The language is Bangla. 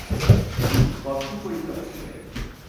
তিনি বদ্ধ পরিকর ছিলেন।